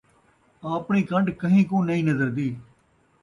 آپݨی کنڈ کہیں کوں نئیں نظردی